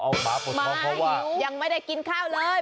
เอาไม้ยังไม่ได้กินข้าวเลย